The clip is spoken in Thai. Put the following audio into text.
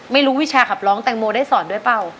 ไม่รู้วิชาครับร้องแตงโมได้สอนด้วยเปล่า